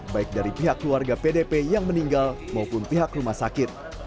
baik dari pihak keluarga pdp yang meninggal maupun pihak rumah sakit